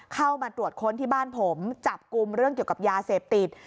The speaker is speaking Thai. เข้ามาตรวจค้นที่บ้านผมจับกลุ่มเรื่องเกี่ยวกับยาเสพติด